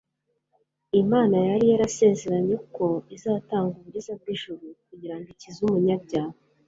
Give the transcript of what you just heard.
Imana yari yarasezeranye ko izatanga uburiza bw'ijuru kugira ngo ikize umunyabyaha.